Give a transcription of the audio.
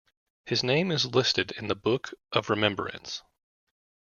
His name is listed in the Book of Remembrance.